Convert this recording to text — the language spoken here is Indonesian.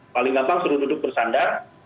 paling gampang suruh duduk bersandar